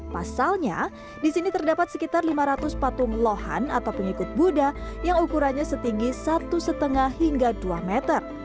pasalnya di sini terdapat sekitar lima ratus patung lohan atau pengikut buddha yang ukurannya setinggi satu lima hingga dua meter